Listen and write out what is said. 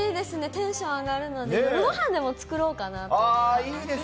テンション上がるので、ごはんでも作ろうかなと思います。